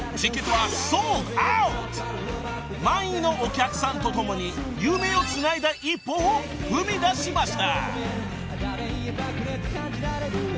［満員のお客さんと共に夢をつないだ一歩を踏み出しました］